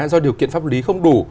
do điều kiện pháp lý không đủ